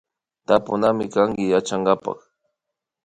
Tapunamikanki Yachankapak